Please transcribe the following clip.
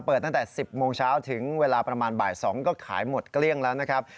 ตั้งแต่๑๐โมงเช้าถึงเวลาประมาณบ่าย๒ก็ขายหมดเกลี้ยงแล้วนะครับ